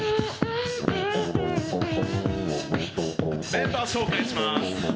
メンバー紹介します。